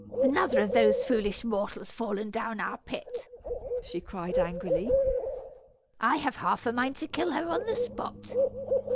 another of those foolish mortals fallen down our pit!" she cried, angrily; "I have half a mind to kill her on the spot."